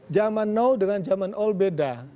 jaman nol dengan jaman ol beda